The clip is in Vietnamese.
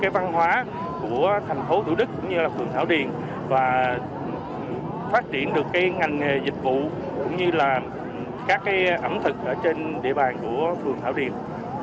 từ thành phố thủ đức nơi có nhiều người nước ngoài sinh sống